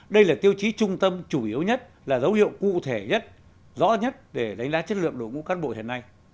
đây là tiêu chí trung tâm chủ yếu nhất là dấu hiệu cụ thể nhất rõ nhất để đánh giá chất lượng đội ngũ cán bộ hiện nay